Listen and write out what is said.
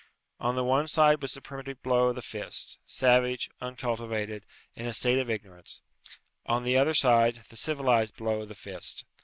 On the one side was the primitive blow of the fist savage, uncultivated, in a state of ignorance; on the other side, the civilized blow of the fist.